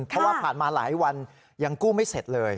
เพราะว่าผ่านมาหลายวันยังกู้ไม่เสร็จเลย